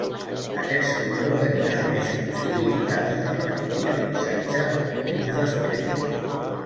Aquest servidor tenia més possibilitats de repartir el missatge un temps després.